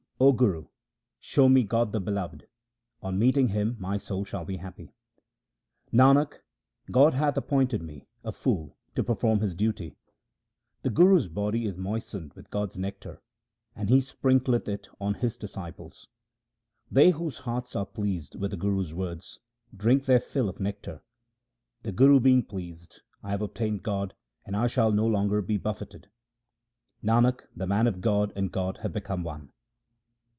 O Guru, show me God the Beloved ; on meeting Him my soul shall be happy. Nanak, God hath appointed me, a fool, to perform His duty. The Guru's body is moistened with God's nectar, and he sprinkleth it on his disciples. They whose hearts are pleased with the Guru's words drink their fill of nectar. The Guru being pleased, I have obtained God and I shall no longer be buffeted. 1 Nanak, the man of God and God have become one.